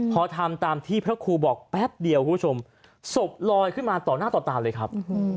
พอทำตามที่พระครูบอกแป๊บเดียวคุณผู้ชมศพลอยขึ้นมาต่อหน้าต่อตาเลยครับ